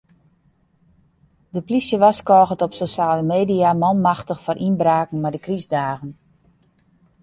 De polysje warskôget op sosjale media manmachtich foar ynbraken mei de krystdagen.